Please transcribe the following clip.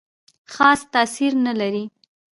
خاص تاثیر نه لري.